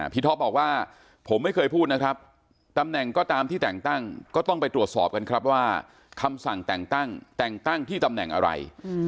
ท็อปบอกว่าผมไม่เคยพูดนะครับตำแหน่งก็ตามที่แต่งตั้งก็ต้องไปตรวจสอบกันครับว่าคำสั่งแต่งตั้งแต่งตั้งที่ตำแหน่งอะไร